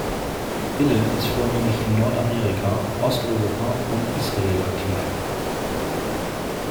Hillel ist vornehmlich in Nordamerika, Osteuropa und Israel aktiv.